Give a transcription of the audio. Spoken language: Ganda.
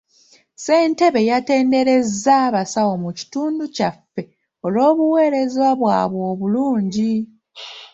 Ssentebe yatenderezza abasawo mu kitundu kyaffe olw'obuweereza bwabwe obulungi.